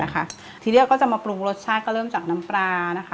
ทีแรกก็จะมาปรุงรสชาติก็เริ่มจากน้ำปลานะคะ